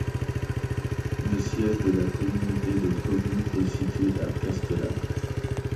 Le siège de la communauté de communes est situé à Castellane.